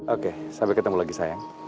oke sampai ketemu lagi sayang